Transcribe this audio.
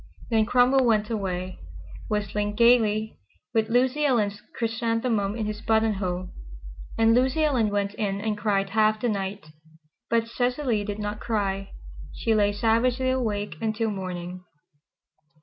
Then Cromwell went away, whistling gaily, with Lucy Ellen's chrysanthemum in his buttonhole, and Lucy Ellen went in and cried half the night. But Cecily did not cry. She lay savagely awake until morning.